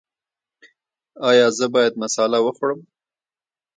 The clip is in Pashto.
ایا زه باید مساله وخورم؟